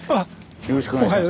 よろしくお願いします。